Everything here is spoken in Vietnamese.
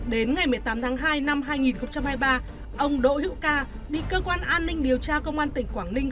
đến ngày một mươi tám tháng hai năm hai nghìn hai mươi ba ông đỗ hữu ca bị cơ quan an ninh điều tra công an tỉnh quảng ninh